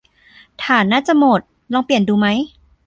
ถ่านน่าจะหมด ลองเปลี่ยนดูไหม